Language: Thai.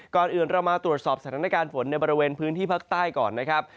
ก่อนอื่นเรามาตรวจสอบสถานการณ์ฝนในบริเวณพื้นที่ภาคใต้ก่อนนะครับ